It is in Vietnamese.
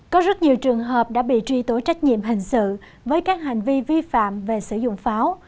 có rất nhiều trường hợp đã bị truy tố trách nhiệm hình sự với các hành vi vi phạm về sử dụng pháo